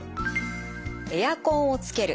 エアコンをつける。